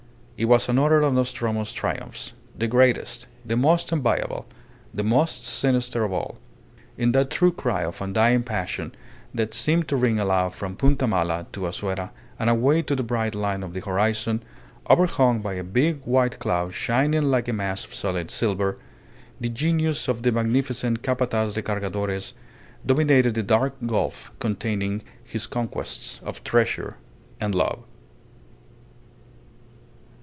It was another of Nostromo's triumphs, the greatest, the most enviable, the most sinister of all. In that true cry of undying passion that seemed to ring aloud from Punta Mala to Azuera and away to the bright line of the horizon, overhung by a big white cloud shining like a mass of solid silver, the genius of the magnificent Capataz de Cargadores dominated the dark gulf containing his conquests of treasure and love.